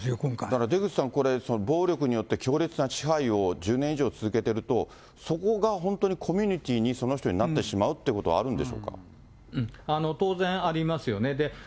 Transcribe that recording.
だから、出口さん、暴力によって強烈な支配を１０年以上続けてると、そこが本当にコミュニティにその人になってしまうということがあ当然ありますよね。